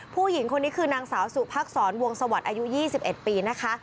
ผู้หญิงคนนี้คือนางสาวสุพักษรวงสวัสดิ์อายุ๒๑ปีนะคะ